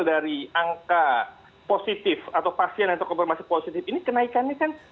dari angka positif atau pasien atau konfirmasi positif ini kenaikannya kan